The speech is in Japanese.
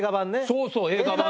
そうそう映画版。